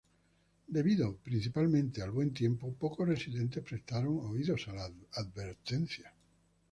Debido principalmente al buen tiempo, pocos residentes prestaron oídos a la advertencia.